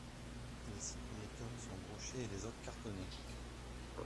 Les six premiers tomes sont brochés et les autres cartonnés.